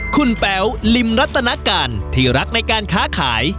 คุณแป๋วลิมรัตนการที่รักในการค้าขาย